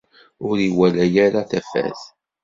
Ur iwala ara tafat.